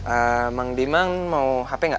eee mang diman mau hp enggak